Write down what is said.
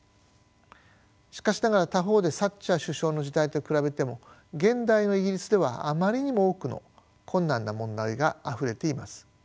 しかしながら他方でサッチャー首相の時代と比べても現代のイギリスではあまりにも多くの困難な問題があふれています。